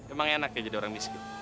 emang enak ya jadi orang miskin